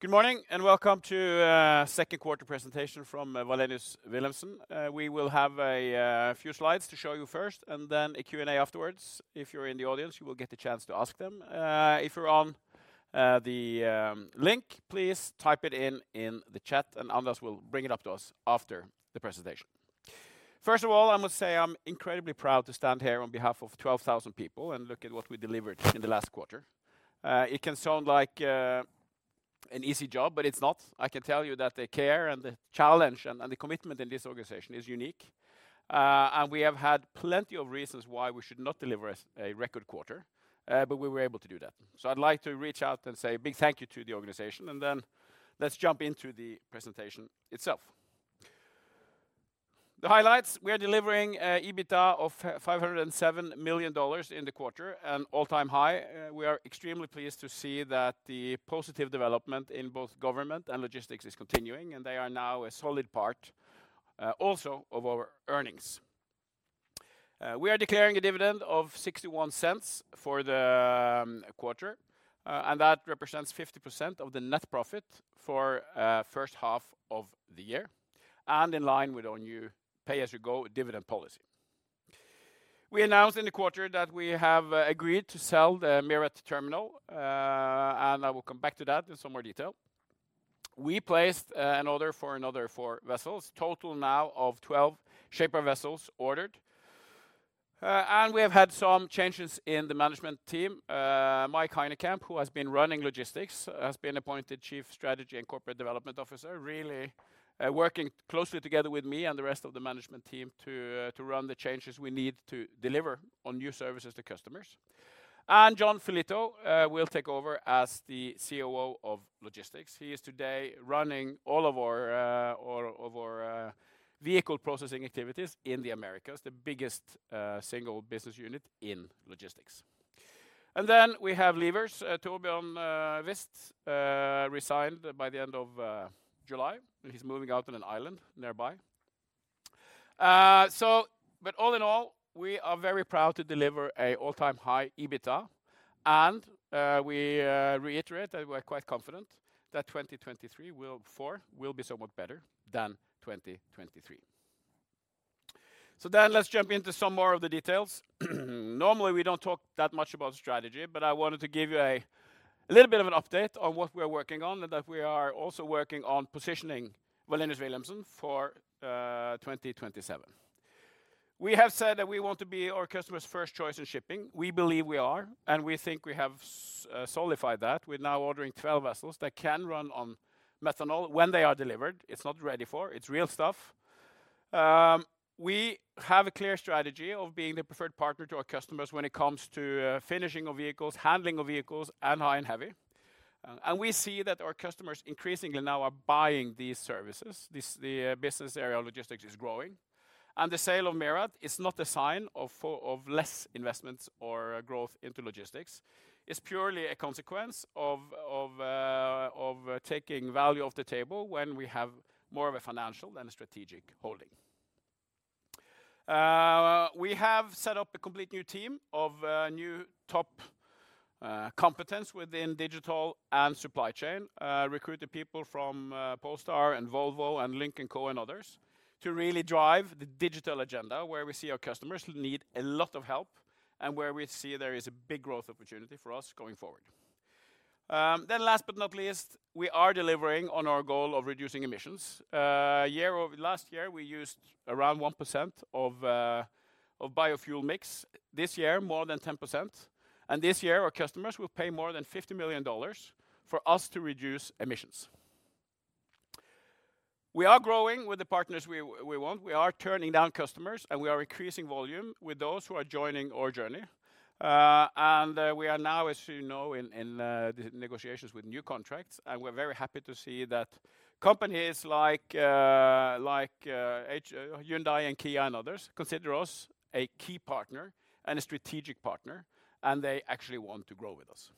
Good morning, and welcome to second quarter presentation from Wallenius Wilhelmsen. We will have a few slides to show you first, and then a Q&A afterwards. If you're in the audience, you will get the chance to ask them. If you're on the link, please type it in in the chat, and others will bring it up to us after the presentation. First of all, I must say I'm incredibly proud to stand here on behalf of 12,000 people and look at what we delivered in the last quarter. It can sound like an easy job, but it's not. I can tell you that the care and the challenge and the commitment in this organization is unique. And we have had plenty of reasons why we should not deliver a record quarter, but we were able to do that. I'd like to reach out and say a big thank you to the organization, and then let's jump into the presentation itself. The highlights: We are delivering EBITDA of $507 million in the quarter, an all-time high. We are extremely pleased to see that the positive development in both government and logistics is continuing, and they are now a solid part also of our earnings. We are declaring a dividend of $0.61 for the quarter, and that represents 50% of the net profit for first half of the year, and in line with our new pay-as-you-go dividend policy. We announced in the quarter that we have agreed to sell the MIRRAT terminal, and I will come back to that in some more detail. We placed an order for another 4 vessels, total now of 12 Shaper vessels ordered. And we have had some changes in the management team. Mike Hynekamp, who has been running Logistics, has been appointed Chief Strategy and Corporate Development Officer, really working closely together with me and the rest of the management team to run the changes we need to deliver on new services to customers. And John Felitto will take over as the COO of Logistics. He is today running all of our vehicle processing activities in the Americas, the biggest single business unit in Logistics. And then we have leavers, Torbjørn Wist resigned by the end of July, and he's moving out on an island nearby. So but all in all, we are very proud to deliver an all-time high EBITDA, and we reiterate that we're quite confident that 2023 will... 24, will be somewhat better than 2023. So then let's jump into some more of the details. Normally, we don't talk that much about strategy, but I wanted to give you a little bit of an update on what we are working on, and that we are also working on positioning Wallenius Wilhelmsen for 2027. We have said that we want to be our customer's first choice in shipping. We believe we are, and we think we have solidified that. We're now ordering 12 vessels that can run on methanol when they are delivered. It's not ready for. It's real stuff. We have a clear strategy of being the preferred partner to our customers when it comes to, finishing of vehicles, handling of vehicles, and high and heavy. And we see that our customers increasingly now are buying these services. This, the, business area logistics is growing, and the sale of MIRRAT is not a sign of of less investments or growth into logistics. It's purely a consequence of, of, of taking value off the table when we have more of a financial than a strategic holding. We have set up a complete new team of, new top, competence within digital and supply chain. Recruited people from, Polestar and Volvo and Lynk & Co. and others, to really drive the digital agenda, where we see our customers need a lot of help and where we see there is a big growth opportunity for us going forward. Then last but not least, we are delivering on our goal of reducing emissions. Last year, we used around 1% of biofuel mix. This year, more than 10%, and this year, our customers will pay more than $50 million for us to reduce emissions. We are growing with the partners we, we want. We are turning down customers, and we are increasing volume with those who are joining our journey. And, we are now, as you know, in negotiations with new contracts, and we're very happy to see that companies like Hyundai and Kia and others consider us a key partner and a strategic partner, and they actually want to grow with us.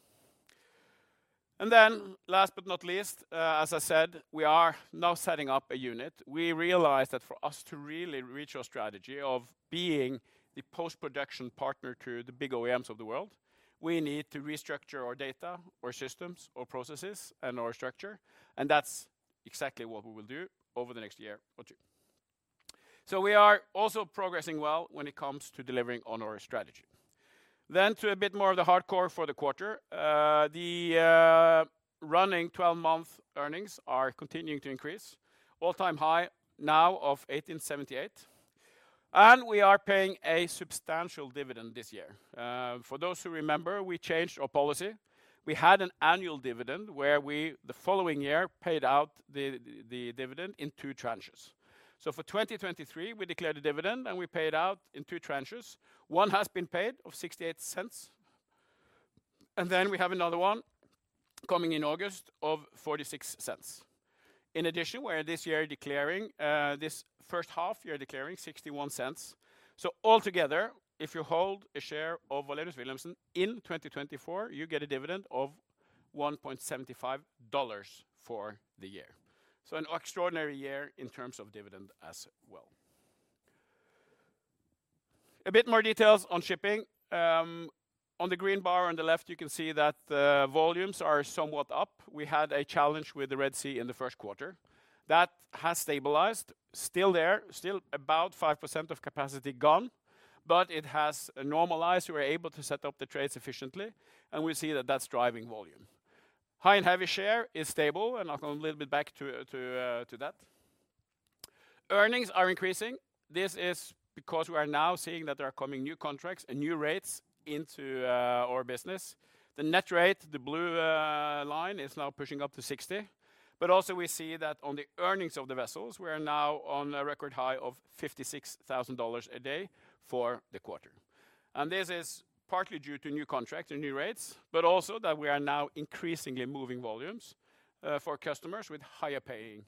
And then, last but not least, as I said, we are now setting up a unit. We realize that for us to really reach our strategy of being the post-production partner to the big OEMs of the world, we need to restructure our data, our systems, our processes, and our structure, and that's exactly what we will do over the next year or two. So we are also progressing well when it comes to delivering on our strategy. Then to a bit more of the hardcore for the quarter. The running 12-month earnings are continuing to increase, all-time high now of $1,878, and we are paying a substantial dividend this year. For those who remember, we changed our policy. We had an annual dividend where we, the following year, paid out the dividend in two tranches. So for 2023, we declared a dividend, and we paid out in two tranches. One has been paid of $0.68, and then we have another one coming in August of $0.46. In addition, we're this year declaring this first half year $0.61. So altogether, if you hold a share of Wallenius Wilhelmsen in 2024, you get a dividend of $1.75 for the year. So an extraordinary year in terms of dividend as well… A bit more details on shipping. On the green bar on the left, you can see that the volumes are somewhat up. We had a challenge with the Red Sea in the first quarter. That has stabilized. Still there, still about 5% of capacity gone, but it has normalized. We were able to set up the trades efficiently, and we see that that's driving volume. High and heavy share is stable, and I'll go a little bit back to that. Earnings are increasing. This is because we are now seeing that there are coming new contracts and new rates into our business. The net rate, the blue line, is now pushing up to $60, but also we see that on the earnings of the vessels, we are now on a record high of $56,000 a day for the quarter. And this is partly due to new contracts and new rates, but also that we are now increasingly moving volumes for customers with higher paying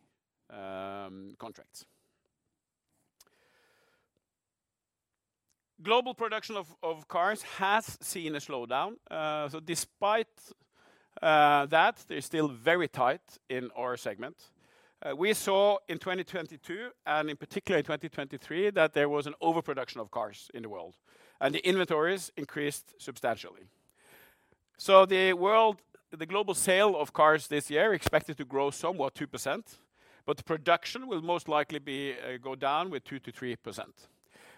contracts. Global production of cars has seen a slowdown. So despite that, they're still very tight in our segment. We saw in 2022, and in particular in 2023, that there was an overproduction of cars in the world, and the inventories increased substantially. So the global sale of cars this year expected to grow somewhat 2%, but the production will most likely go down with 2%-3%.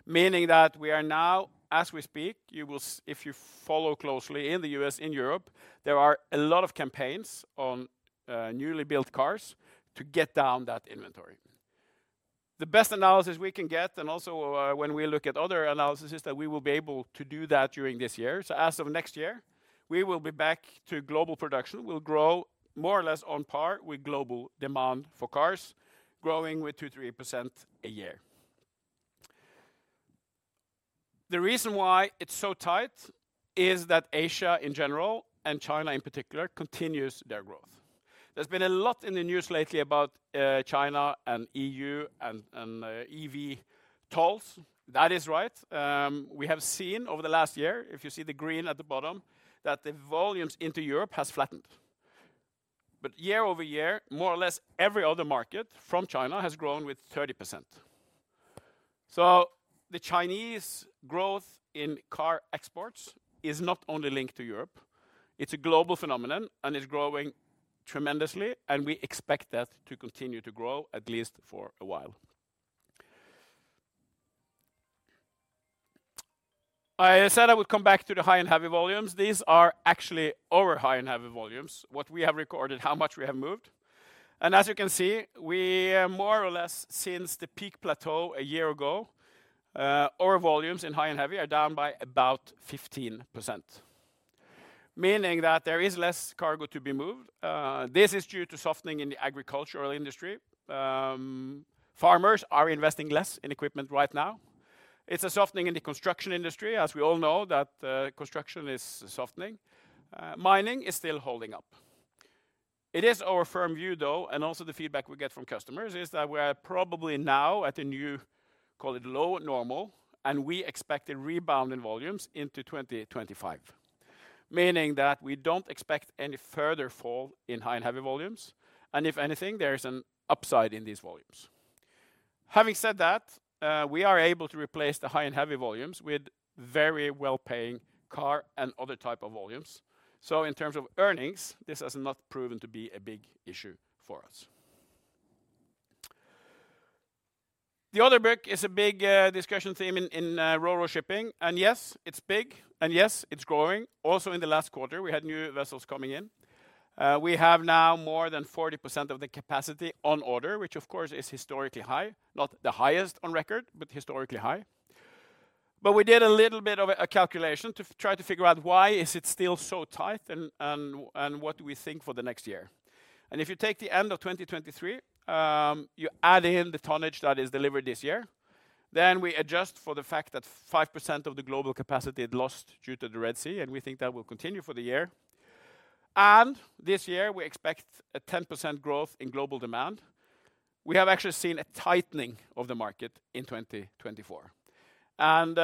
Meaning that we are now, as we speak, you will see if you follow closely in the US, in Europe, there are a lot of campaigns on newly built cars to get down that inventory. The best analysis we can get, and also, when we look at other analysis, is that we will be able to do that during this year. So as of next year, we will be back to global production. We will grow more or less on par with global demand for cars, growing with 2%-3% a year. The reason why it's so tight is that Asia in general, and China in particular, continues their growth. There's been a lot in the news lately about, China and EU and, and, EV tolls. That is right. We have seen over the last year, if you see the green at the bottom, that the volumes into Europe has flattened. But year-over-year, more or less every other market from China has grown with 30%. So the Chinese growth in car exports is not only linked to Europe, it's a global phenomenon, and it's growing tremendously, and we expect that to continue to grow at least for a while. I said I would come back to the high and heavy volumes. These are actually our high and heavy volumes, what we have recorded, how much we have moved. And as you can see, we, more or less since the peak plateau a year ago, our volumes in high and heavy are down by about 15%, meaning that there is less cargo to be moved. This is due to softening in the agricultural industry. Farmers are investing less in equipment right now. It's a softening in the construction industry, as we all know, that, construction is softening. Mining is still holding up. It is our firm view, though, and also the feedback we get from customers, is that we are probably now at a new, call it low normal, and we expect a rebound in volumes into 2025. Meaning that we don't expect any further fall in high and heavy volumes, and if anything, there is an upside in these volumes. Having said that, we are able to replace the high and heavy volumes with very well-paying car and other type of volumes. So in terms of earnings, this has not proven to be a big issue for us. The other book is a big discussion theme in RoRo shipping. And yes, it's big, and yes, it's growing. Also in the last quarter, we had new vessels coming in. We have now more than 40% of the capacity on order, which of course, is historically high, not the highest on record, but historically high. But we did a little bit of a calculation to try to figure out why is it still so tight and what do we think for the next year. And if you take the end of 2023, you add in the tonnage that is delivered this year, then we adjust for the fact that 5% of the global capacity is lost due to the Red Sea, and we think that will continue for the year. And this year, we expect a 10% growth in global demand. We have actually seen a tightening of the market in 2024, and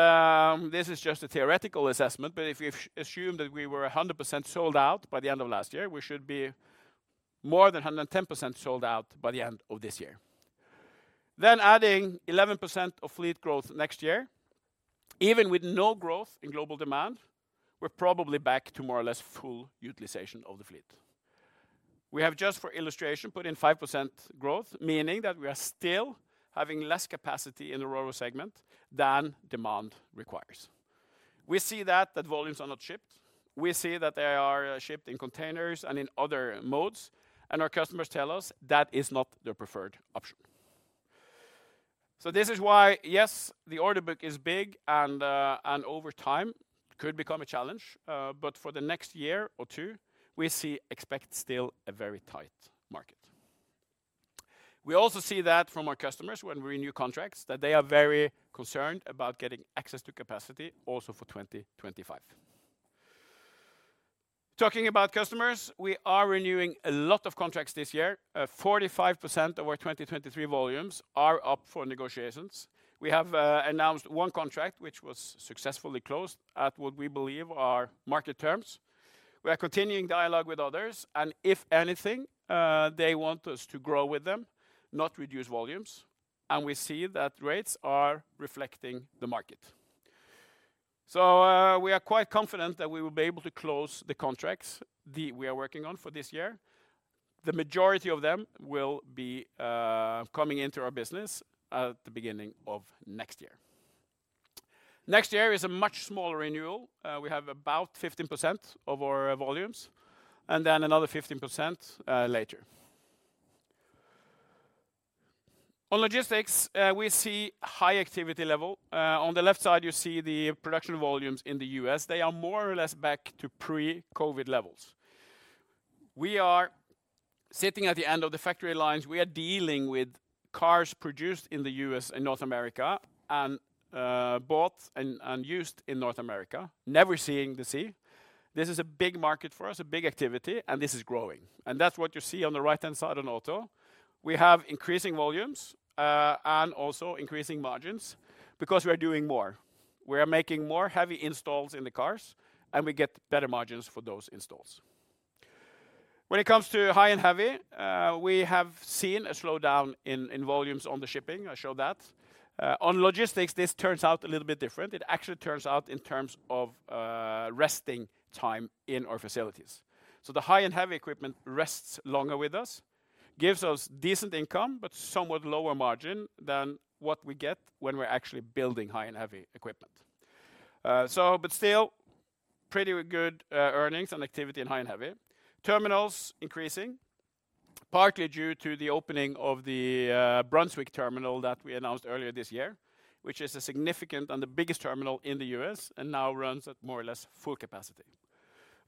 this is just a theoretical assessment, but if you assume that we were 100% sold out by the end of last year, we should be more than 110% sold out by the end of this year. Then adding 11% of fleet growth next year, even with no growth in global demand, we're probably back to more or less full utilization of the fleet. We have, just for illustration, put in 5% growth, meaning that we are still having less capacity in the RoRo segment than demand requires. We see that volumes are not shipped. We see that they are shipped in containers and in other modes, and our customers tell us that is not their preferred option. So this is why, yes, the order book is big, and, and over time could become a challenge, but for the next year or two, we expect still a very tight market. We also see that from our customers when we renew contracts, that they are very concerned about getting access to capacity also for 2025. Talking about customers, we are renewing a lot of contracts this year. Forty-five percent of our 2023 volumes are up for negotiations. We have announced one contract, which was successfully closed at what we believe are market terms. We are continuing dialogue with others, and if anything, they want us to grow with them, not reduce volumes, and we see that rates are reflecting the market. So, we are quite confident that we will be able to close the contracts we are working on for this year. The majority of them will be coming into our business at the beginning of next year. Next year is a much smaller renewal. We have about 15% of our volumes, and then another 15%, later. On logistics, we see high activity level. On the left side, you see the production volumes in the U.S. They are more or less back to pre-COVID levels. We are sitting at the end of the factory lines. We are dealing with cars produced in the U.S. and North America, and bought and used in North America, never seeing the sea. This is a big market for us, a big activity, and this is growing. And that's what you see on the right-hand side on auto. We have increasing volumes, and also increasing margins because we are doing more. We are making more heavy installs in the cars, and we get better margins for those installs. When it comes to high and heavy, we have seen a slowdown in volumes on the shipping. I showed that. On logistics, this turns out a little bit different. It actually turns out in terms of resting time in our facilities. So the high-and-heavy equipment rests longer with us, gives us decent income, but somewhat lower margin than what we get when we're actually building high-and-heavy equipment. So but still, pretty good earnings and activity in high and heavy. Terminals increasing, partly due to the opening of the Brunswick terminal that we announced earlier this year, which is a significant and the biggest terminal in the U.S. and now runs at more or less full capacity.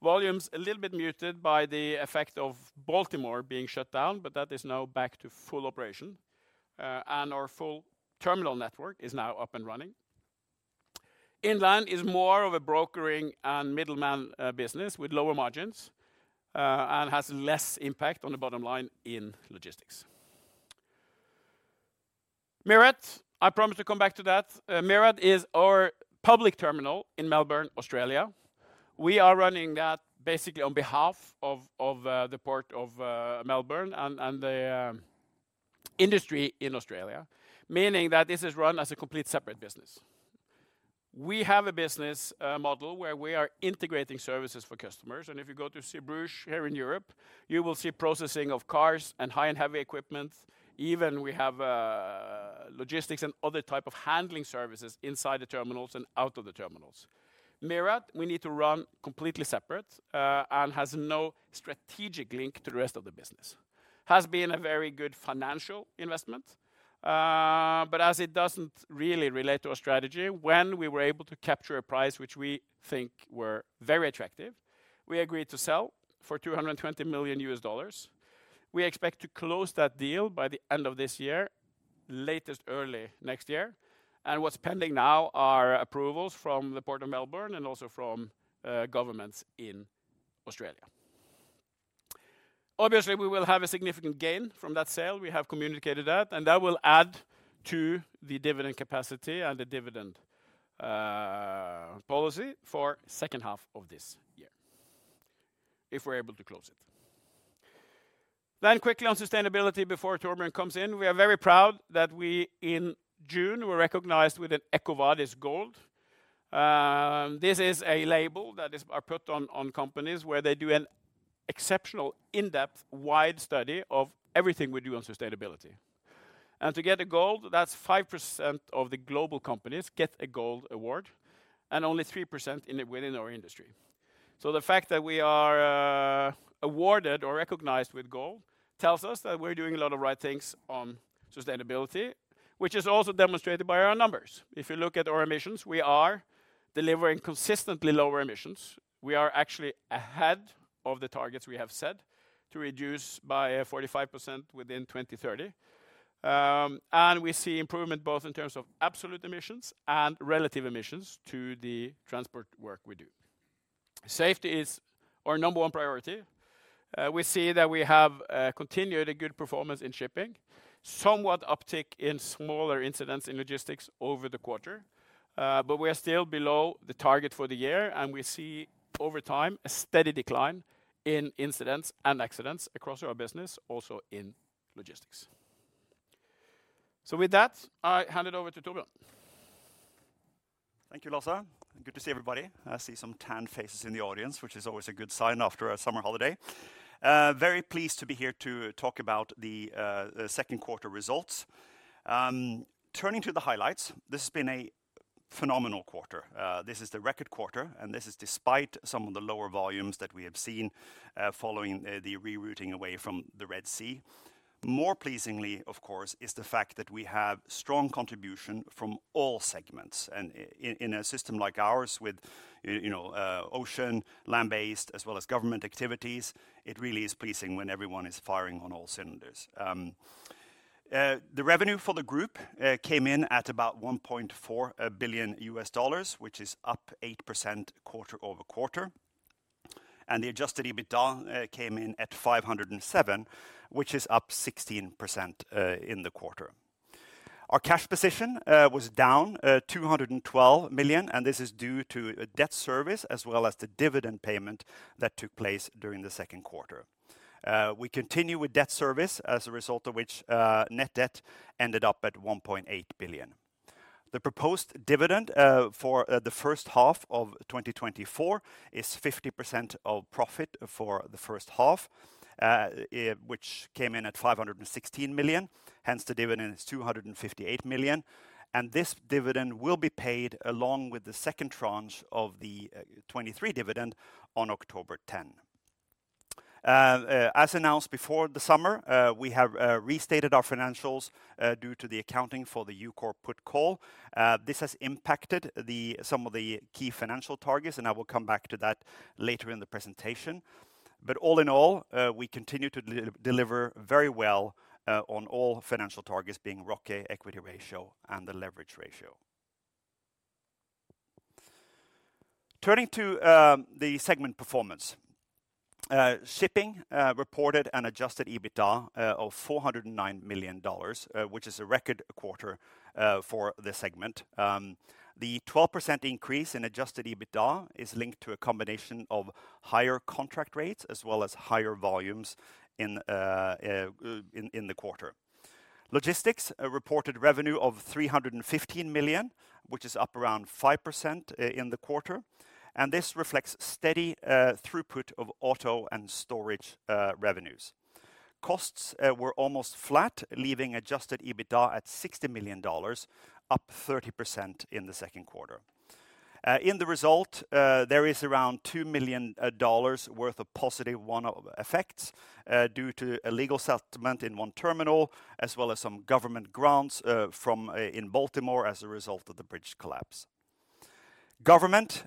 Volumes, a little bit muted by the effect of Baltimore being shut down, but that is now back to full operation, and our full terminal network is now up and running. Inland is more of a brokering and middleman business with lower margins, and has less impact on the bottom line in logistics. MIRRAT, I promise to come back to that. MIRRAT is our public terminal in Melbourne, Australia. We are running that basically on behalf of the Port of Melbourne and the industry in Australia, meaning that this is run as a complete separate business. We have a business model where we are integrating services for customers, and if you go to Zeebrugge here in Europe, you will see processing of cars and high and heavy equipment. Even we have logistics and other type of handling services inside the terminals and out of the terminals. MIRRAT, we need to run completely separate, and has no strategic link to the rest of the business. Has been a very good financial investment, but as it doesn't really relate to our strategy, when we were able to capture a price which we think were very attractive, we agreed to sell for $220 million. We expect to close that deal by the end of this year, latest early next year, and what's pending now are approvals from the Port of Melbourne and also from governments in Australia. Obviously, we will have a significant gain from that sale. We have communicated that, and that will add to the dividend capacity and the dividend policy for second half of this year, if we're able to close it. Then quickly on sustainability before Torbjørn comes in, we are very proud that we, in June, were recognized with an EcoVadis Gold. This is a label that are put on companies where they do an exceptional in-depth, wide study of everything we do on sustainability. And to get a Gold, that's 5% of the global companies get a Gold award and only 3% within our industry. So the fact that we are awarded or recognized with Gold tells us that we're doing a lot of right things on sustainability, which is also demonstrated by our numbers. If you look at our emissions, we are delivering consistently lower emissions. We are actually ahead of the targets we have set to reduce by 45% within 2030. And we see improvement both in terms of absolute emissions and relative emissions to the transport work we do. Safety is our number one priority. We see that we have continued a good performance in shipping, somewhat uptick in smaller incidents in logistics over the quarter, but we are still below the target for the year, and we see over time a steady decline in incidents and accidents across our business, also in logistics. So with that, I hand it over to Torbjørn. Thank you, Lasse. Good to see everybody. I see some tanned faces in the audience, which is always a good sign after a summer holiday. Very pleased to be here to talk about the second quarter results. Turning to the highlights, this has been a phenomenal quarter. This is the record quarter, and this is despite some of the lower volumes that we have seen following the rerouting away from the Red Sea. More pleasingly, of course, is the fact that we have strong contribution from all segments, and in a system like ours, with you know, ocean, land-based, as well as government activities, it really is pleasing when everyone is firing on all cylinders. The revenue for the group came in at about $1.4 billion, which is up 8% quarter-over-quarter, and the adjusted EBITDA came in at $507 million, which is up 16% in the quarter. Our cash position was down $212 million, and this is due to a debt service as well as the dividend payment that took place during the second quarter. We continue with debt service, as a result of which net debt ended up at $1.8 billion. The proposed dividend for the first half of 2024 is 50% of profit for the first half, which came in at $516 million. Hence, the dividend is $258 million, and this dividend will be paid along with the second tranche of the 2023 dividend on October 10. As announced before the summer, we have restated our financials due to the accounting for the EUKOR put call. This has impacted some of the key financial targets, and I will come back to that later in the presentation. But all in all, we continue to deliver very well on all financial targets, being ROCE equity ratio and the leverage ratio. Turning to the segment performance. Shipping reported an adjusted EBITDA of $409 million, which is a record quarter for the segment. The 12% increase in adjusted EBITDA is linked to a combination of higher contract rates as well as higher volumes in the quarter. Logistics reported revenue of $315 million, which is up around 5% in the quarter, and this reflects steady throughput of auto and storage revenues. Costs were almost flat, leaving adjusted EBITDA at $60 million, up 30% in the second quarter. In the results, there is around $2 million worth of positive one-off effects due to a legal settlement in one terminal, as well as some government grants from in Baltimore as a result of the bridge collapse. Government,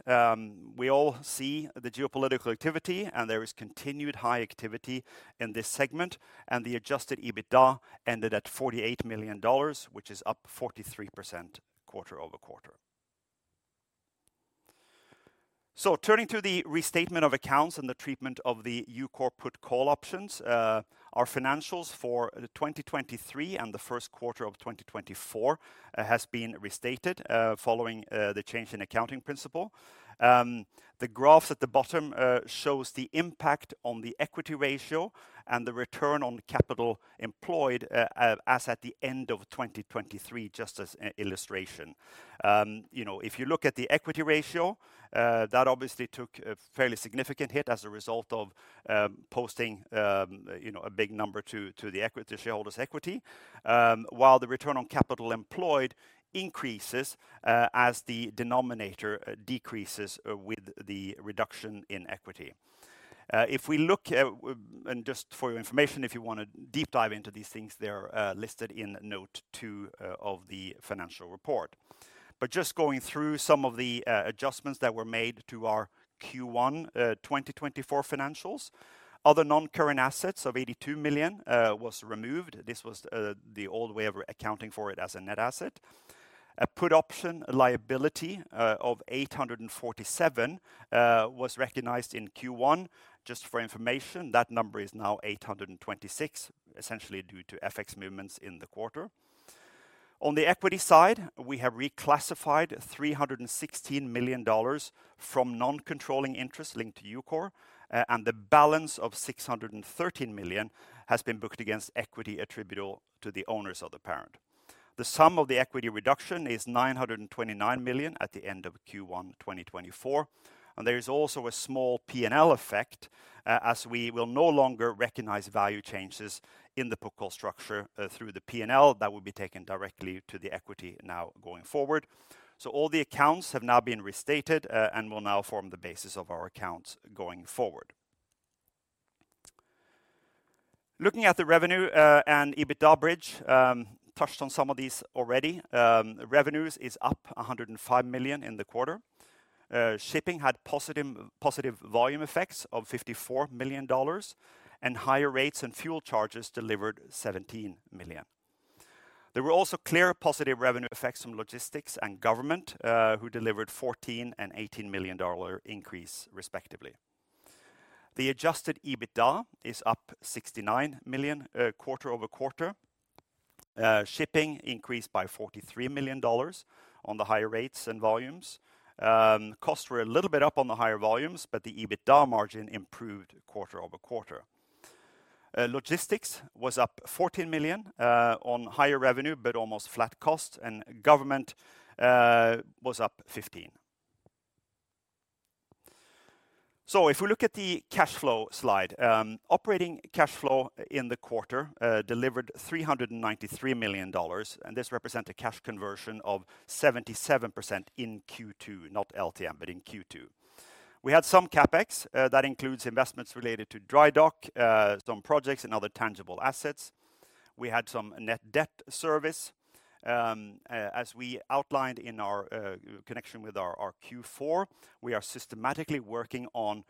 we all see the geopolitical activity, and there is continued high activity in this segment, and the adjusted EBITDA ended at $48 million, which is up 43% quarter over quarter. So turning to the restatement of accounts and the treatment of the EUKOR put call options, our financials for the 2023 and the first quarter of 2024 has been restated, following the change in accounting principle. The graph at the bottom shows the impact on the equity ratio and the return on capital employed, as at the end of 2023, just as an illustration. You know, if you look at the equity ratio, that obviously took a fairly significant hit as a result of posting, you know, a big number to the equity, shareholders' equity. While the return on capital employed increases as the denominator decreases with the reduction in equity. If we look at... and just for your information, if you want to deep dive into these things, they are listed in note 2 of the financial report. But just going through some of the adjustments that were made to our Q1 2024 financials, other non-current assets of $82 million was removed. This was the old way of accounting for it as a net asset. A put option, a liability of $847 million was recognized in Q1. Just for your information, that number is now $826 million, essentially due to FX movements in the quarter. On the equity side, we have reclassified $316 million from non-controlling interests linked to EUKOR, and the balance of $613 million has been booked against equity attributable to the owners of the parent. The sum of the equity reduction is $929 million at the end of Q1 2024, and there is also a small P&L effect, as we will no longer recognize value changes in the put call structure, through the P&L. That will be taken directly to the equity now going forward. So all the accounts have now been restated, and will now form the basis of our accounts going forward. Looking at the revenue and EBITDA bridge, touched on some of these already. Revenues is up $105 million in the quarter. Shipping had positive, positive volume effects of $54 million, and higher rates and fuel charges delivered $17 million. There were also clear positive revenue effects from logistics and government, who delivered $14 million and $18 million increase, respectively. The adjusted EBITDA is up $69 million, quarter-over-quarter. Shipping increased by $43 million on the higher rates and volumes. Costs were a little bit up on the higher volumes, but the EBITDA margin improved quarter-over-quarter. Logistics was up $14 million, on higher revenue, but almost flat costs, and government was up $15 million. So if we look at the cash flow slide, operating cash flow in the quarter delivered $393 million, and this represent a cash conversion of 77% in Q2, not LTM, but in Q2. We had some CapEx that includes investments related to dry dock, some projects and other tangible assets. We had some net debt service. As we outlined in our connection with our Q4, we are systematically working on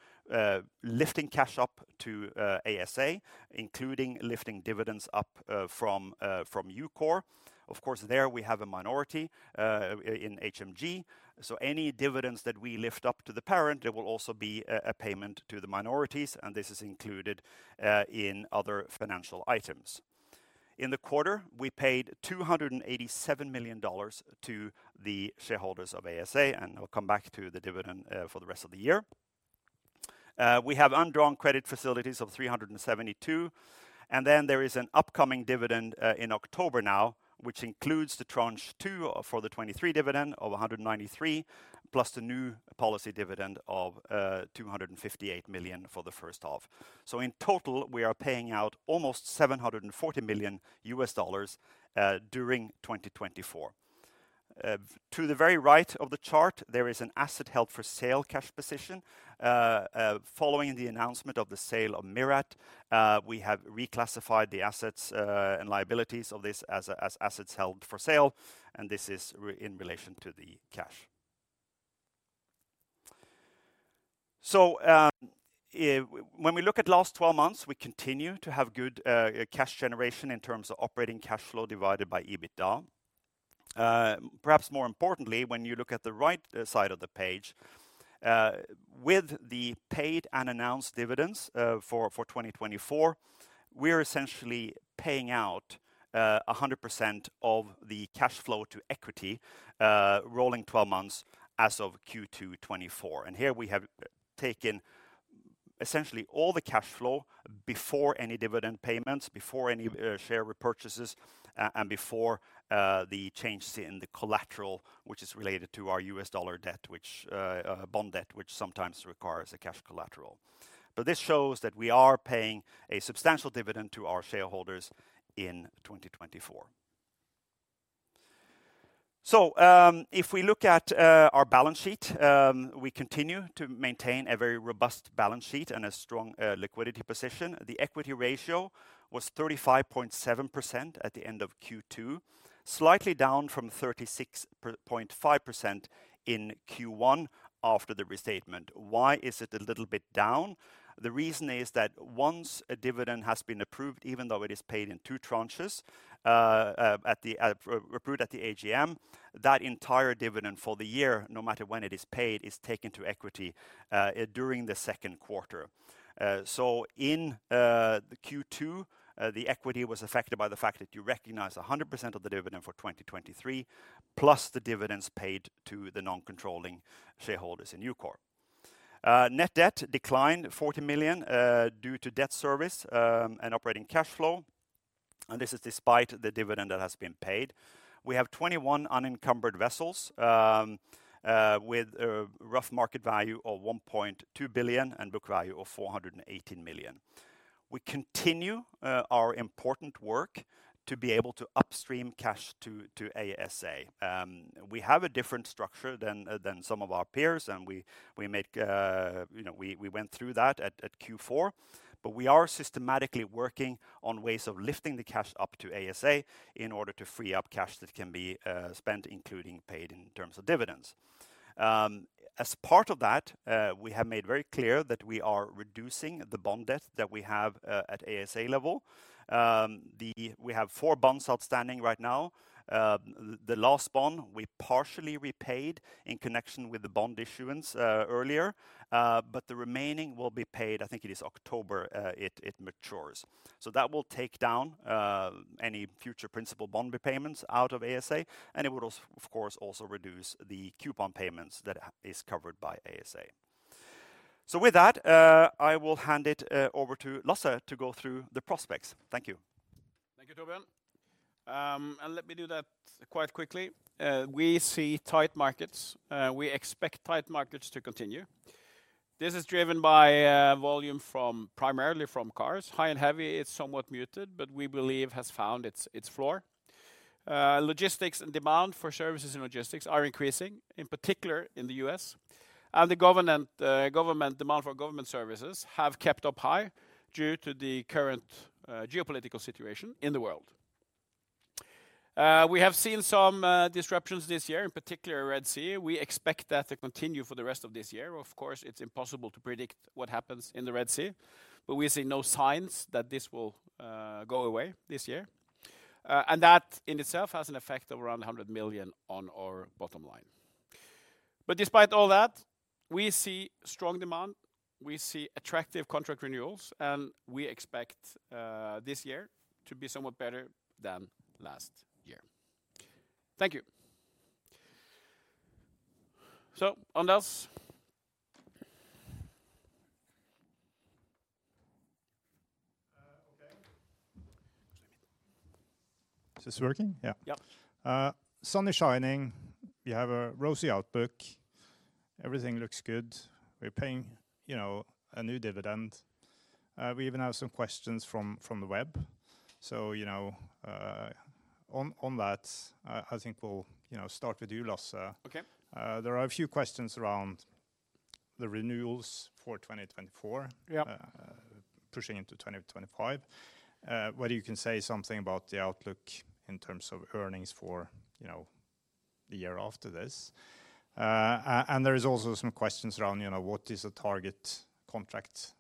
lifting cash up to ASA, including lifting dividends up from EUKOR. Of course, there we have a minority in HMG, so any dividends that we lift up to the parent, there will also be a payment to the minorities, and this is included in other financial items. In the quarter, we paid $287 million to the shareholders of ASA, and I'll come back to the dividend for the rest of the year. We have undrawn credit facilities of $372 million, and then there is an upcoming dividend in October now, which includes the tranche 2 for the 2023 dividend of $193 million, plus the new policy dividend of $258 million for the first half. So in total, we are paying out almost $740 million during 2024. To the very right of the chart, there is an asset held for sale, cash position. Following the announcement of the sale of MIRRAT, we have reclassified the assets and liabilities of this as assets held for sale, and this is re- in relation to the cash. So, when we look at last 12 months, we continue to have good cash generation in terms of operating cash flow divided by EBITDA. Perhaps more importantly, when you look at the right side of the page, with the paid and announced dividends, for 2024, we are essentially paying out 100% of the cash flow to equity, rolling 12 months as of Q2 2024. And here we have taken essentially all the cash flow before any dividend payments, before any share repurchases, and before the changes in the collateral, which is related to our U.S. dollar debt, which bond debt, which sometimes requires a cash collateral. But this shows that we are paying a substantial dividend to our shareholders in 2024. So, if we look at our balance sheet, we continue to maintain a very robust balance sheet and a strong liquidity position. The equity ratio was 35.7% at the end of Q2, slightly down from 36.5% in Q1 after the restatement. Why is it a little bit down? The reason is that once a dividend has been approved, even though it is paid in two tranches, approved at the AGM, that entire dividend for the year, no matter when it is paid, is taken to equity during the second quarter. So in the Q2, the equity was affected by the fact that you recognize 100% of the dividend for 2023, plus the dividends paid to the non-controlling shareholders in EUKOR. Net debt declined $40 million due to debt service and operating cash flow, and this is despite the dividend that has been paid. We have 21 unencumbered vessels with a rough market value of $1.2 billion and book value of $418 million. We continue our important work to be able to upstream cash to ASA. We have a different structure than some of our peers, and we make... You know, we went through that at Q4. But we are systematically working on ways of lifting the cash up to ASA in order to free up cash that can be spent, including paid in terms of dividends. As part of that, we have made very clear that we are reducing the bond debt that we have at ASA level. We have four bonds outstanding right now. The last bond, we partially repaid in connection with the bond issuance earlier, but the remaining will be paid, I think it is October, it matures. So that will take down any future principal bond repayments out of ASA, and it would of course also reduce the coupon payments that is covered by ASA. So with that, I will hand it over to Lasse to go through the prospects. Thank you. Thank you, Torbjørn. And let me do that quite quickly. We see tight markets. We expect tight markets to continue. This is driven by volume from primarily from cars. High and heavy, it's somewhat muted, but we believe has found its floor. Logistics and demand for services and logistics are increasing, in particular in the U.S., and the government demand for government services have kept up high due to the current geopolitical situation in the world. We have seen some disruptions this year, in particular, Red Sea. We expect that to continue for the rest of this year. Of course, it's impossible to predict what happens in the Red Sea, but we see no signs that this will go away this year. That in itself has an effect of around $100 million on our bottom line. But despite all that, we see strong demand, we see attractive contract renewals, and we expect this year to be somewhat better than last year. Thank you. So, Anders? Okay. Is this working? Yeah. Yeah. Sun is shining. We have a rosy outlook. Everything looks good. We're paying, you know, a new dividend. We even have some questions from the web. So, you know, on that, I think we'll, you know, start with you, Lasse. Okay. There are a few questions around the renewals for 2024- Yeah... pushing into 2025. Whether you can say something about the outlook in terms of earnings for, you know, the year after this. And there is also some questions around, you know, what is the target contract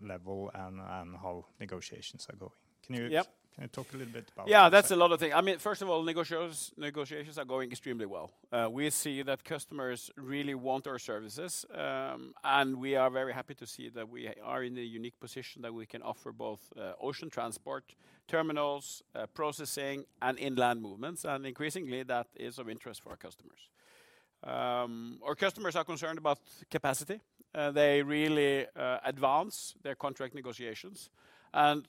level and how negotiations are going. Can you- Yep... Can you talk a little bit about that? Yeah, that's a lot of things. I mean, first of all, negotiations are going extremely well. We see that customers really want our services, and we are very happy to see that we are in a unique position that we can offer both ocean transport, terminals, processing, and inland movements, and increasingly, that is of interest for our customers. Our customers are concerned about capacity. They really advance their contract negotiations, and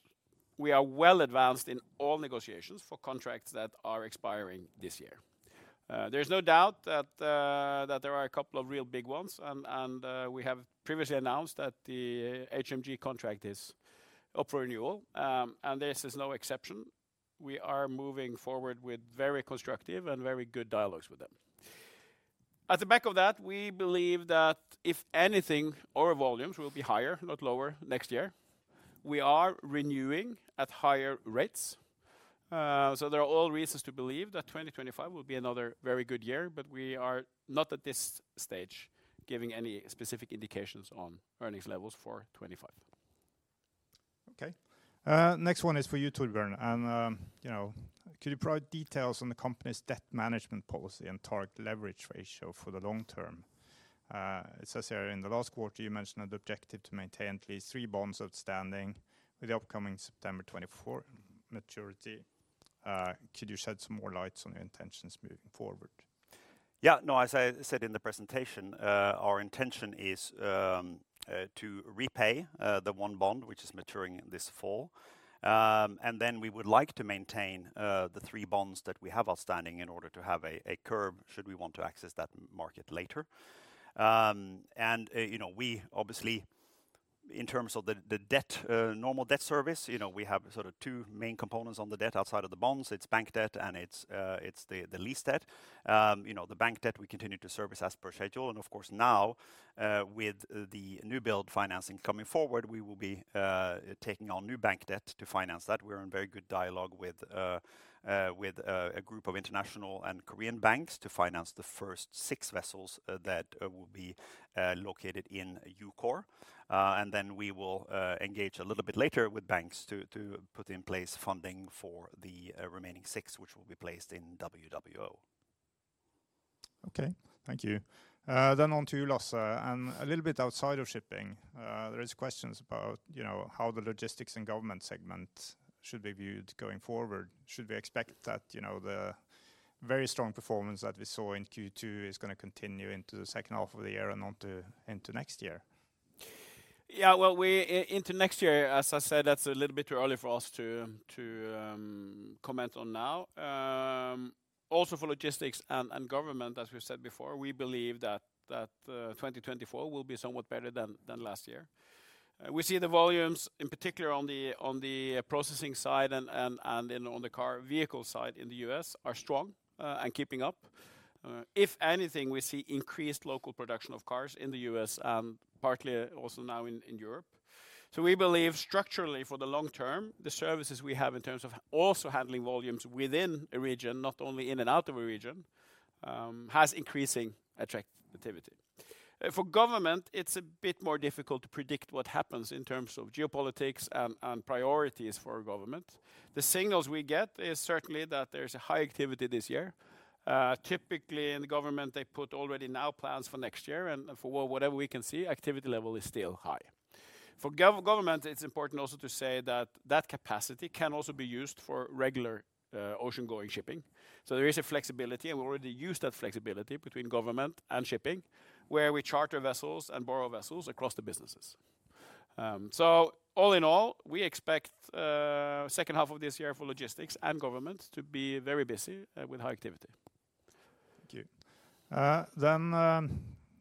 we are well advanced in all negotiations for contracts that are expiring this year. There's no doubt that there are a couple of real big ones, and we have previously announced that the HMG contract is up for renewal, and this is no exception. We are moving forward with very constructive and very good dialogues with them. At the back of that, we believe that if anything, our volumes will be higher, not lower, next year. We are renewing at higher rates. So there are all reasons to believe that 2025 will be another very good year, but we are not, at this stage, giving any specific indications on earnings levels for 2025. Okay. Next one is for you, Torbjørn. You know, can you provide details on the company's debt management policy and target leverage ratio for the long term? It says here in the last quarter, you mentioned an objective to maintain at least three bonds outstanding with the upcoming September 2024 maturity. Could you shed some more light on your intentions moving forward? Yeah, no, as I said in the presentation, our intention is to repay the one bond which is maturing this fall. And then we would like to maintain the three bonds that we have outstanding in order to have a curve, should we want to access that market later. And, you know, we obviously, in terms of the debt, normal debt service, you know, we have sort of two main components on the debt outside of the bonds. It's bank debt, and it's the lease debt. You know, the bank debt, we continue to service as per schedule. And of course, now, with the new build financing coming forward, we will be taking on new bank debt to finance that. We're in very good dialogue with a group of international and Korean banks to finance the first six vessels that will be located in EUKOR. And then we will engage a little bit later with banks to put in place funding for the remaining six, which will be placed in WWO. Okay. Thank you. Then on to you, Lasse. And a little bit outside of shipping, there is questions about, you know, how the logistics and government segment should be viewed going forward. Should we expect that, you know, the very strong performance that we saw in Q2 is gonna continue into the second half of the year and into next year? Yeah, well, into next year, as I said, that's a little bit too early for us to, to, comment on now. Also for logistics and, and government, as we've said before, we believe that, that, 2024 will be somewhat better than, than last year. We see the volumes, in particular on the, on the processing side and, and, and on the car vehicle side in the U.S., are strong, and keeping up. If anything, we see increased local production of cars in the U.S., partly also now in, in Europe. So we believe structurally for the long term, the services we have in terms of also handling volumes within a region, not only in and out of a region, has increasing attractivity. For government, it's a bit more difficult to predict what happens in terms of geopolitics and priorities for government. The signals we get is certainly that there's a high activity this year. Typically in the government, they put already now plans for next year, and for whatever we can see, activity level is still high. For government, it's important also to say that that capacity can also be used for regular, ocean-going shipping. So there is a flexibility, and we already use that flexibility between government and shipping, where we charter vessels and borrow vessels across the businesses. So all in all, we expect, second half of this year for logistics and government to be very busy, with high activity. Thank you. Then,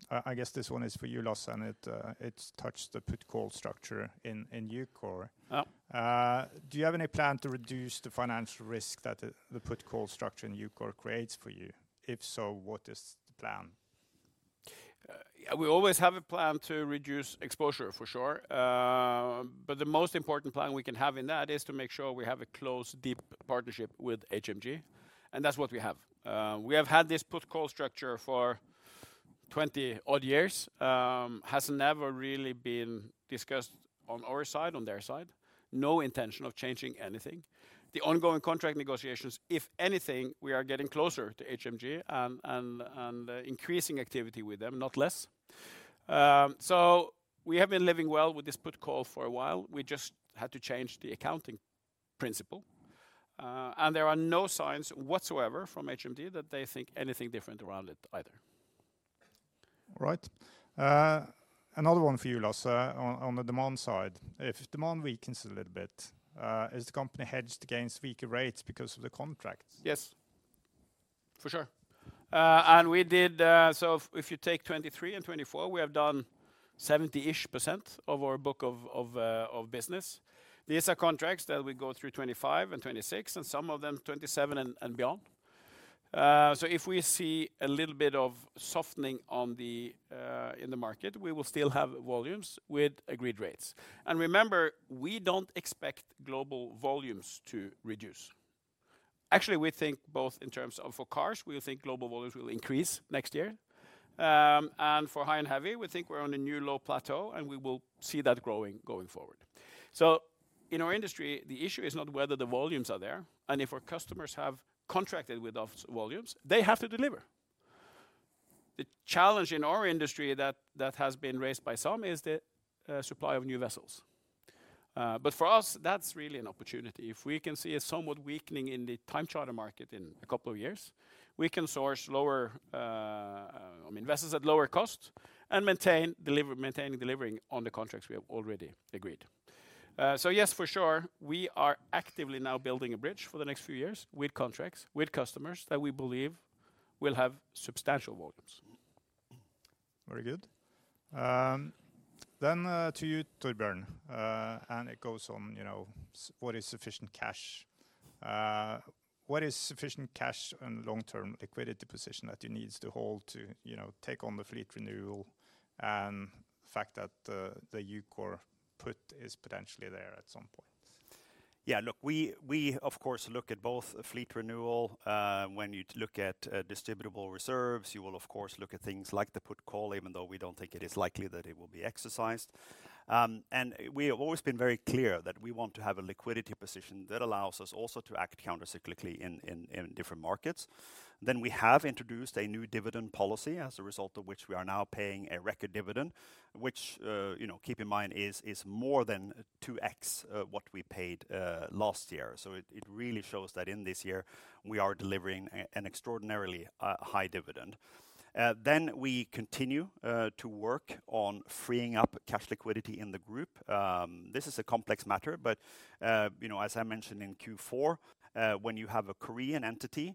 I guess this one is for you, Lasse, and it's touched the put-call structure in EUKOR. Yeah. Do you have any plan to reduce the financial risk that the put-call structure in EUKOR creates for you? If so, what is the plan? We always have a plan to reduce exposure, for sure. But the most important plan we can have in that is to make sure we have a close, deep partnership with HMG, and that's what we have. We have had this put-call structure for 20-odd years. Has never really been discussed on our side, on their side. No intention of changing anything. The ongoing contract negotiations, if anything, we are getting closer to HMG and increasing activity with them, not less. So we have been living well with this put-call for a while. We just had to change the accounting principle, and there are no signs whatsoever from HMG that they think anything different around it either. All right. Another one for you, Lasse, on the demand side. If demand weakens a little bit, is the company hedged against weaker rates because of the contracts? Yes, for sure. And we did. So if you take 2023 and 2024, we have done 70-ish% of our book of business. These are contracts that will go through 2025 and 2026, and some of them 2027 and beyond. So if we see a little bit of softening in the market, we will still have volumes with agreed rates. And remember, we don't expect global volumes to reduce. Actually, we think both in terms of for cars, we think global volumes will increase next year. And for high and heavy, we think we're on a new low plateau, and we will see that growing going forward. So in our industry, the issue is not whether the volumes are there, and if our customers have contracted with us volumes, they have to deliver. The challenge in our industry that has been raised by some is the supply of new vessels. But for us, that's really an opportunity. If we can see a somewhat weakening in the time charter market in a couple of years, we can source lower, I mean, vessels at lower cost and maintain delivering on the contracts we have already agreed. So yes, for sure, we are actively now building a bridge for the next few years with contracts, with customers, that we believe will have substantial volumes. Very good. Then, to you, Torbjørn. And it goes on, you know, what is sufficient cash? What is sufficient cash and long-term liquidity position that you needs to hold to, you know, take on the fleet renewal and the fact that the, the EUKOR put is potentially there at some point? Yeah, look, we of course look at both fleet renewal. When you look at distributable reserves, you will of course look at things like the put-call, even though we don't think it is likely that it will be exercised. And we have always been very clear that we want to have a liquidity position that allows us also to act countercyclically in different markets. Then we have introduced a new dividend policy, as a result of which we are now paying a record dividend, which, you know, keep in mind, is more than 2x what we paid last year. So it really shows that in this year we are delivering an extraordinarily high dividend. Then we continue to work on freeing up cash liquidity in the group. This is a complex matter, but, you know, as I mentioned in Q4, when you have a Korean entity,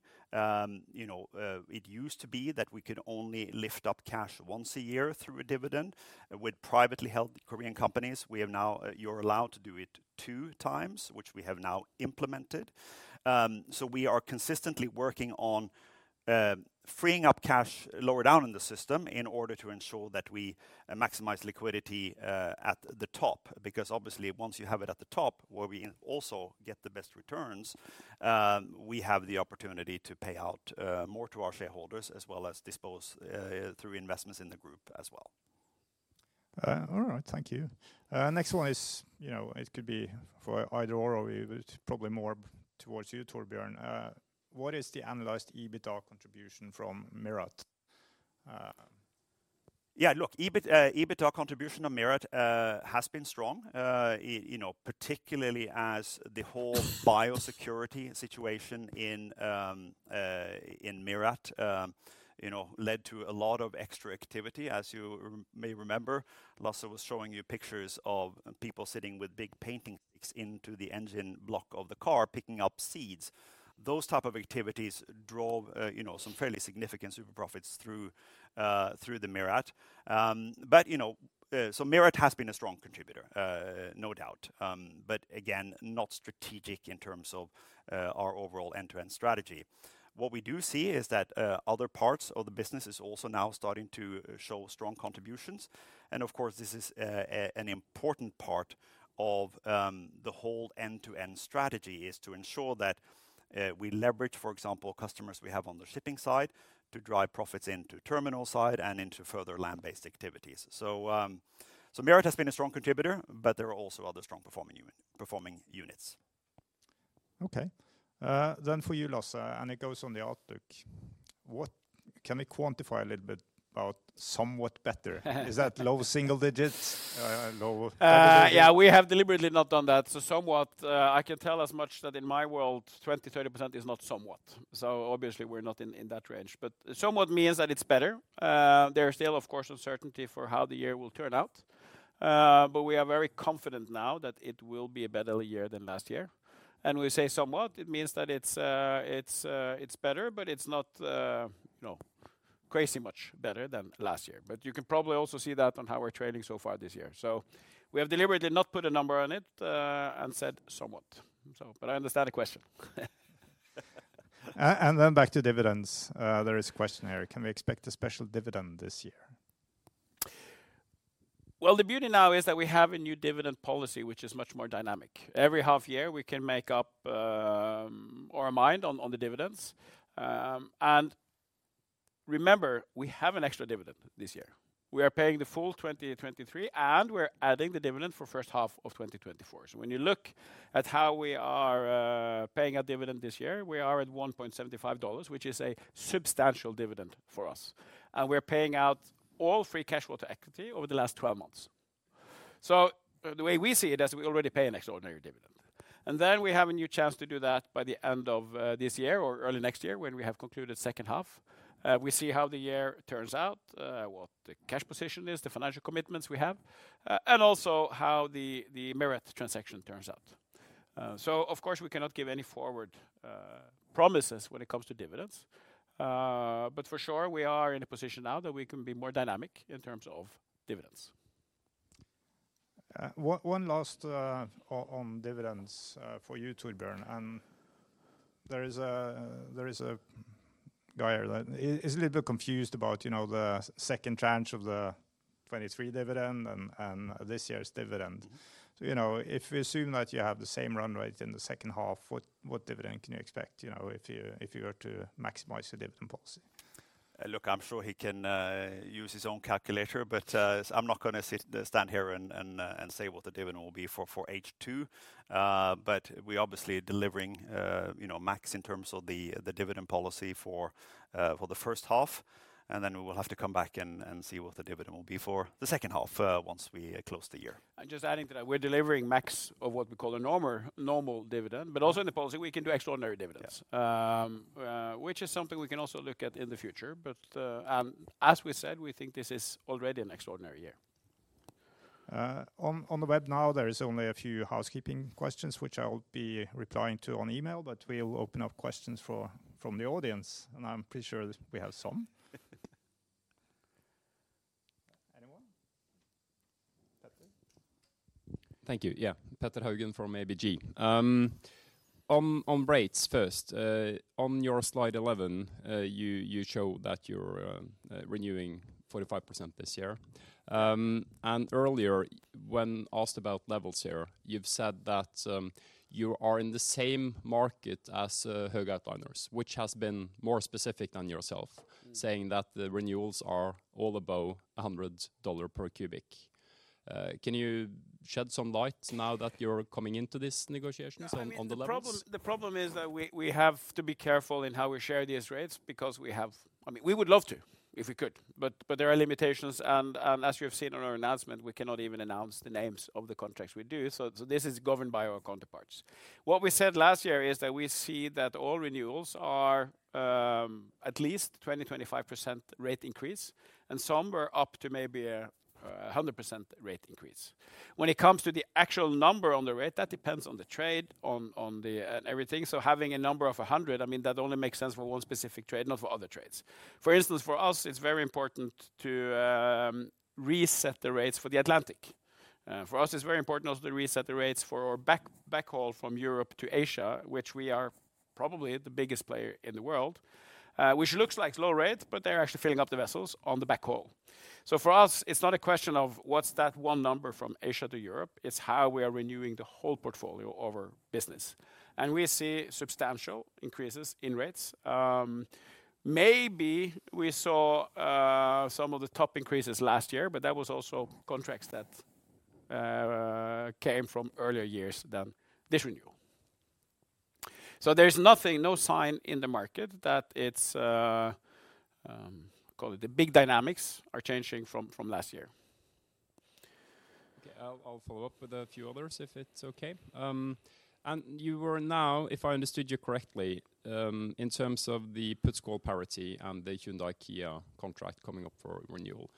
you know, it used to be that we could only lift up cash once a year through a dividend. With privately held Korean companies, we have now. You're allowed to do it two times, which we have now implemented. So we are consistently working on freeing up cash lower down in the system in order to ensure that we maximize liquidity at the top. Because obviously, once you have it at the top, where we can also get the best returns, we have the opportunity to pay out more to our shareholders, as well as dispose through investments in the group as well. All right. Thank you. Next one is, you know, it could be for either or, probably more towards you, Torbjørn. What is the analyzed EBITDA contribution from MIRRAT? Yeah, look, EBIT, EBITDA contribution of MIRRAT has been strong. You know, particularly as the whole biosecurity situation in MIRRAT led to a lot of extra activity. As you may remember, Lasse was showing you pictures of people sitting with big painting sticks into the engine block of the car, picking up seeds. Those type of activities drove, you know, some fairly significant super profits through the MIRRAT. But, you know, so MIRRAT has been a strong contributor, no doubt. But again, not strategic in terms of our overall end-to-end strategy. What we do see is that other parts of the business is also now starting to show strong contributions. And of course, this is an important part of the whole end-to-end strategy, is to ensure that we leverage, for example, customers we have on the shipping side to drive profits into terminal side and into further land-based activities. So, MIRRAT has been a strong contributor, but there are also other strong performing units. Okay. Then for you, Lasse, and it goes on the outlook. What... Can we quantify a little bit about somewhat better? Is that low single digits, low- Yeah, we have deliberately not done that. So somewhat, I can tell as much that in my world, 20%-30% is not somewhat. So obviously we're not in that range, but somewhat means that it's better. There are still, of course, uncertainty for how the year will turn out, but we are very confident now that it will be a better year than last year. And we say somewhat, it means that it's better, but it's not, you know, crazy much better than last year. But you can probably also see that on how we're trading so far this year. So we have deliberately not put a number on it, and said, "Somewhat." But I understand the question. And then back to dividends. There is a question here: Can we expect a special dividend this year? Well, the beauty now is that we have a new dividend policy, which is much more dynamic. Every half year, we can make up our mind on, on the dividends. And remember, we have an extra dividend this year. We are paying the full 2023, and we're adding the dividend for first half of 2024. So when you look at how we are paying our dividend this year, we are at $1.75, which is a substantial dividend for us. And we're paying out all free cash flow to equity over the last 12 months. So the way we see it, as we already pay an extraordinary dividend, and then we have a new chance to do that by the end of this year or early next year, when we have concluded second half. We see how the year turns out, what the cash position is, the financial commitments we have, and also how the MIRRAT transaction turns out. So of course, we cannot give any forward promises when it comes to dividends. But for sure, we are in a position now that we can be more dynamic in terms of dividends. One last on dividends for you, Torbjørn. There is a guy that is a little bit confused about, you know, the second tranche of the 2023 dividend and this year's dividend. You know, if we assume that you have the same run rate in the second half, what dividend can you expect, you know, if you were to maximize your dividend policy? Look, I'm sure he can use his own calculator, but I'm not gonna stand here and say what the dividend will be for H2. But we're obviously delivering, you know, max in terms of the dividend policy for the first half, and then we will have to come back and see what the dividend will be for the second half, once we close the year. And just adding to that, we're delivering max of what we call a normal, normal dividend, but also in the policy, we can do extraordinary dividends- Yeah... which is something we can also look at in the future. But, as we said, we think this is already an extraordinary year.... On the web now, there is only a few housekeeping questions, which I will be replying to on email, but we will open up questions from the audience, and I'm pretty sure that we have some. Anyone? Petter. Thank you. Yeah. Petter Haugen from ABG. On rates first, on your slide 11, you show that you're renewing 45% this year. And earlier, when asked about levels here, you've said that you are in the same market as Höegh Autoliners, which has been more specific than yourself, saying that the renewals are all above $100 per cubic. Can you shed some light now that you're coming into this negotiations on the levels? No, I mean, the problem, the problem is that we, we have to be careful in how we share these rates because we have... I mean, we would love to, if we could, but there are limitations, and as you have seen on our announcement, we cannot even announce the names of the contracts we do, so this is governed by our counterparts. What we said last year is that we see that all renewals are at least 20%-25% rate increase, and some are up to maybe 100% rate increase. When it comes to the actual number on the rate, that depends on the trade, on everything. So having a number of 100, I mean, that only makes sense for one specific trade, not for other trades. For instance, for us, it's very important to reset the rates for the Atlantic. For us, it's very important also to reset the rates for backhaul from Europe to Asia, which we are probably the biggest player in the world. Which looks like low rates, but they're actually filling up the vessel on the backhaul. So for us, it's not a question of what's that one number from Asia to Europe, it's how we are renewing the whole portfolio of our business, and we see substantial increases in rates. Maybe we saw some of the top increases last year, but that was also contracts that came from earlier years than this renewal. So there's nothing, no sign in the market that it's call it the big dynamics are changing from last year. Okay. I'll, I'll follow up with a few others, if it's okay. And you were now, if I understood you correctly, in terms of the put-call parity and the Hyundai-Kia contract coming up for renewal,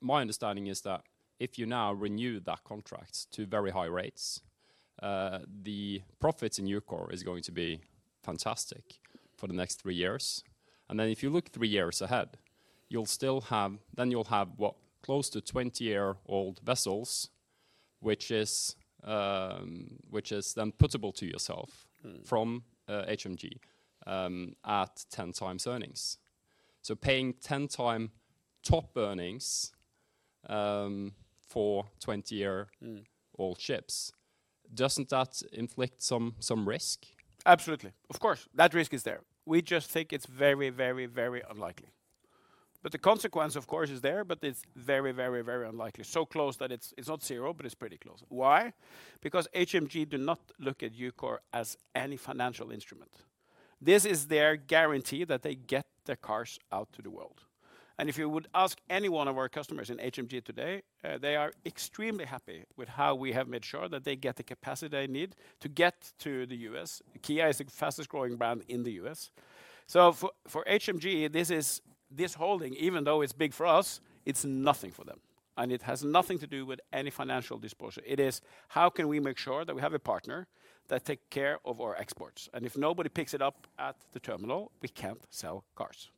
my understanding is that if you now renew that contract to very high rates, the profits in EUKOR is going to be fantastic for the next three years. And then if you look three years ahead, you'll still have—then you'll have, what? Close to 20-year-old vessels, which is, which is then putable to yourself- Mm. from HMG at 10 times earnings. So paying 10 times top earnings for 20-year- Mm... old ships, doesn't that inflict some risk? Absolutely. Of course, that risk is there. We just think it's very, very, very unlikely. But the consequence, of course, is there, but it's very, very, very unlikely. So close that it's not zero, but it's pretty close. Why? Because HMG do not look at EUKOR as any financial instrument. This is their guarantee that they get their cars out to the world. And if you would ask any one of our customers in HMG today, they are extremely happy with how we have made sure that they get the capacity they need to get to the U.S. Kia is the fastest growing brand in the U.S. So for HMG, this is... this holding, even though it's big for us, it's nothing for them, and it has nothing to do with any financial disclosure. It is, how can we make sure that we have a partner that take care of our exports? And if nobody picks it up at the terminal, we can't sell cars.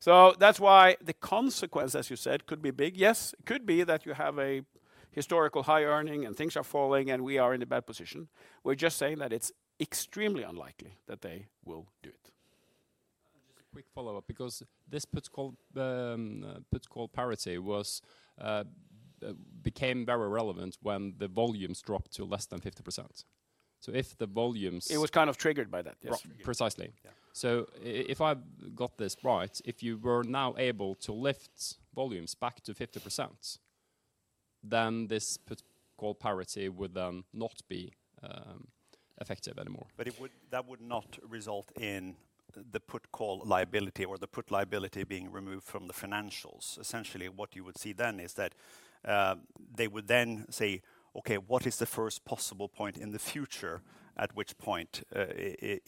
So that's why the consequence, as you said, could be big. Yes, it could be that you have a historical high earning and things are falling and we are in a bad position. We're just saying that it's extremely unlikely that they will do it. Just a quick follow-up, because this put-call parity became very relevant when the volumes dropped to less than 50%. So if the volumes- It was kind of triggered by that, yes. Precisely. Yeah. So if I've got this right, if you were now able to lift volumes back to 50%, then this put-call parity would then not be effective anymore. But it would that would not result in the put-call liability or the put liability being removed from the financials. Essentially, what you would see then is that, they would then say, "Okay, what is the first possible point in the future, at which point,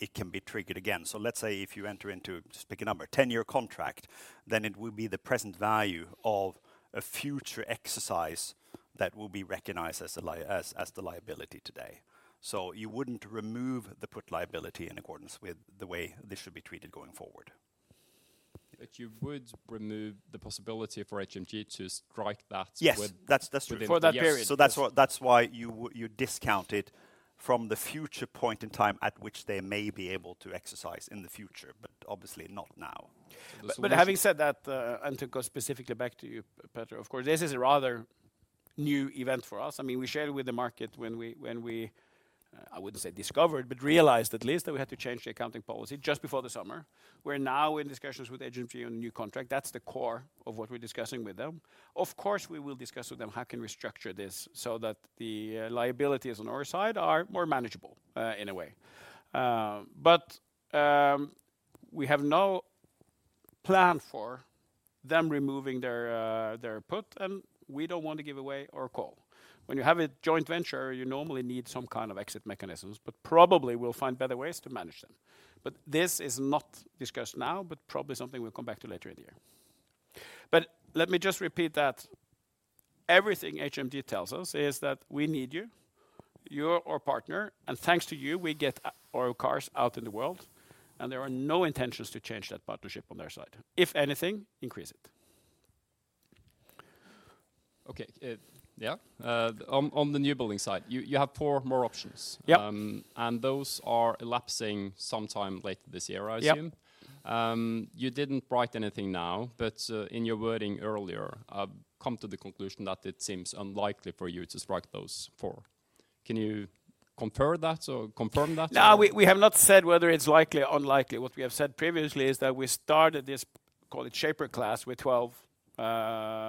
it can be triggered again?" So let's say if you enter into, just pick a number, 10-year contract, then it will be the present value of a future exercise that will be recognized as the liability today. So you wouldn't remove the put liability in accordance with the way this should be treated going forward. But you would remove the possibility for HMG to strike that with- Yes, that's, that's true. For that period. So that's why you discount it from the future point in time at which they may be able to exercise in the future, but obviously not now. But having said that, and to go specifically back to you, Petter, of course, this is a rather new event for us. I mean, we shared with the market when we, I wouldn't say discovered, but realized at least that we had to change the accounting policy just before the summer. We're now in discussions with HMG on a new contract. That's the core of what we're discussing with them. Of course, we will discuss with them how can we structure this so that the liabilities on our side are more manageable, in a way. But we have no plan for them removing their their put, and we don't want to give away our call... when you have a joint venture, you normally need some kind of exit mechanisms, but probably we'll find better ways to manage them. This is not discussed now, but probably something we'll come back to later in the year. Let me just repeat that everything HMG tells us is that we need you, you're our partner, and thanks to you, we get our cars out in the world, and there are no intentions to change that partnership on their side. If anything, increase it. Okay, yeah. On the new building side, you have 4 more options. Yep. Those are elapsing sometime later this year, I assume? Yep. You didn't write anything now, but in your wording earlier, I've come to the conclusion that it seems unlikely for you to strike those four. Can you compare that or confirm that? No, we have not said whether it's likely or unlikely. What we have said previously is that we started this, call it Shaper Class, with 12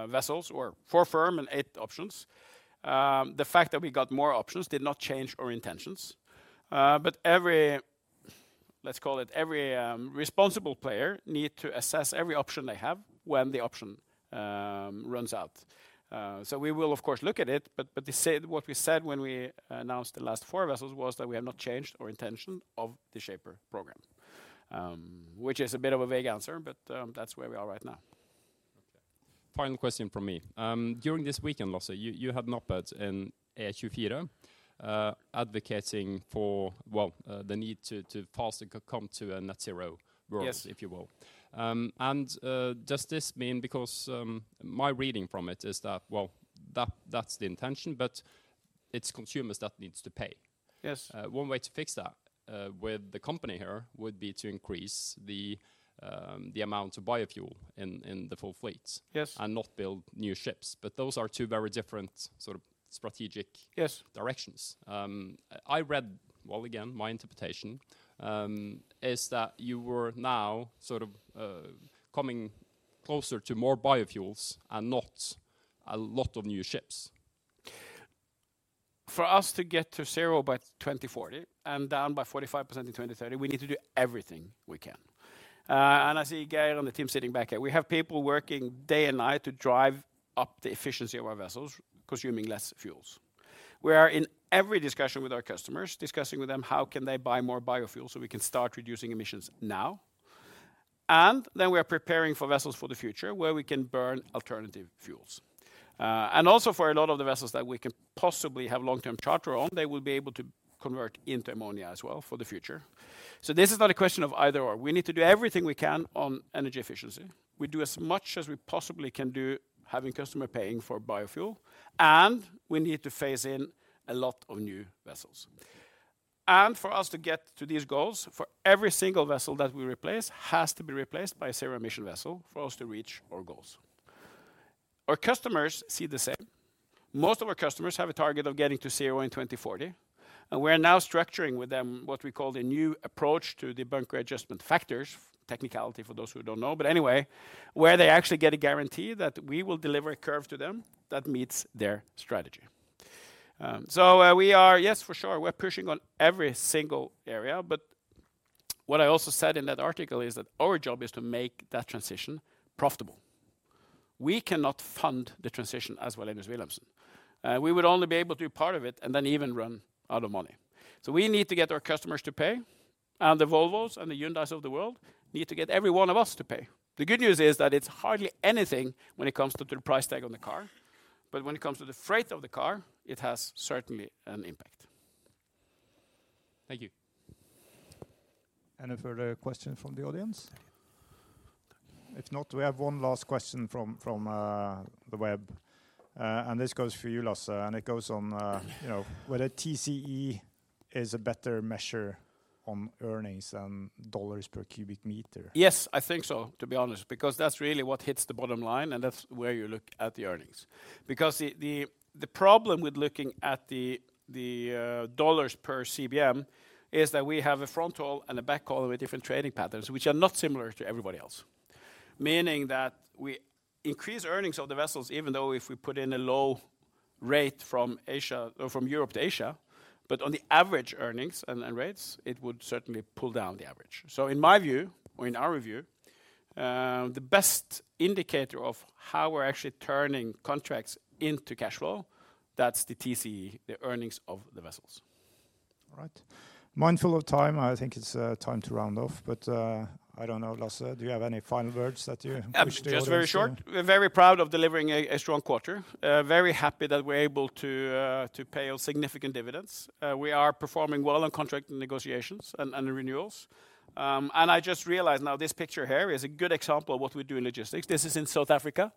vessels, or 4 firm and 8 options. The fact that we got more options did not change our intentions. But every, let's call it, every responsible player need to assess every option they have when the option runs out. So we will of course look at it, but what we said when we announced the last 4 vessels was that we have not changed our intention of the Shaper program. Which is a bit of a vague answer, but that's where we are right now. Okay. Final question from me. During this weekend, Lasse, you had an op-ed in HUF Ira, advocating for the need to faster come to a net zero world- Yes... if you will. And does this mean because my reading from it is that that's the intention, but it's consumers that needs to pay? Yes. One way to fix that with the company here would be to increase the amount of biofuel in the full fleets- Yes... and not build new ships. But those are two very different sort of strategic- Yes... directions. I read, well, again, my interpretation is that you were now sort of coming closer to more biofuels and not a lot of new ships. For us to get to zero by 2040 and down by 45% in 2030, we need to do everything we can. And I see Gary and the team sitting back there. We have people working day and night to drive up the efficiency of our vessels, consuming less fuels. We are in every discussion with our customers, discussing with them how can they buy more biofuels so we can start reducing emissions now. And then we are preparing for vessels for the future, where we can burn alternative fuels. And also for a lot of the vessels that we can possibly have long-term charter on, they will be able to convert into ammonia as well for the future. So this is not a question of either or. We need to do everything we can on energy efficiency. We do as much as we possibly can do, having customer paying for biofuel, and we need to phase in a lot of new vessels. For us to get to these goals, for every single vessel that we replace has to be replaced by a zero-emission vessel for us to reach our goals. Our customers see the same. Most of our customers have a target of getting to zero in 2040, and we are now structuring with them what we call the new approach to the bunker adjustment factors, technicality, for those who don't know, but anyway, where they actually get a guarantee that we will deliver a curve to them that meets their strategy. Yes, for sure, we're pushing on every single area, but what I also said in that article is that our job is to make that transition profitable. We cannot fund the transition as well as Wallenius Wilhelmsen. We would only be able to do part of it and then even run out of money. So we need to get our customers to pay, and the Volvos and the Hyundai of the world need to get every one of us to pay. The good news is that it's hardly anything when it comes to the price tag on the car, but when it comes to the freight of the car, it has certainly an impact. Thank you. Any further questions from the audience? If not, we have one last question from the web. And this goes for you, Lasse, and it goes on, you know, whether TCE is a better measure on earnings than $ per cubic meter. Yes, I think so, to be honest, because that's really what hits the bottom line, and that's where you look at the earnings. Because the problem with looking at the dollars per CBM is that we have a front haul and a back haul with different trading patterns, which are not similar to everybody else. Meaning that we increase earnings of the vessels, even though if we put in a low rate from Asia, or from Europe to Asia, but on the average earnings and rates, it would certainly pull down the average. So in my view, or in our view, the best indicator of how we're actually turning contracts into cash flow, that's the TCE, the earnings of the vessels. All right. Mindful of time, I think it's time to round off, but I don't know, Lasse, do you have any final words that you- Just very short. We're very proud of delivering a strong quarter. Very happy that we're able to pay out significant dividends. We are performing well on contract negotiations and renewals. And I just realized now, this picture here is a good example of what we do in logistics. This is in South Africa.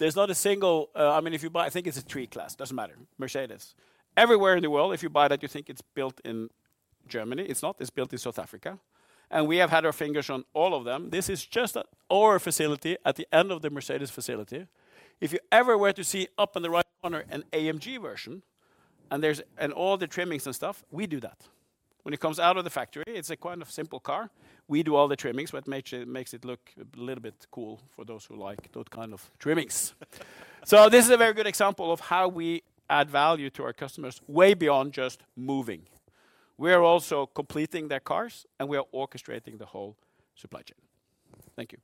I mean, if you buy, I think it's a C-Class, doesn't matter, Mercedes. Everywhere in the world, if you buy that, you think it's built in Germany. It's not. It's built in South Africa, and we have had our fingers on all of them. This is just our facility at the end of the Mercedes facility. If you ever were to see up in the right corner an AMG version, and all the trimmings and stuff, we do that. When it comes out of the factory, it's a kind of simple car. We do all the trimmings, what makes it, makes it look a little bit cool for those who like those kind of trimmings. So this is a very good example of how we add value to our customers way beyond just moving. We are also completing their cars, and we are orchestrating the whole supply chain. Thank you.